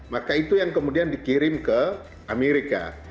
maka itu yang kemudian dikirim ke amerika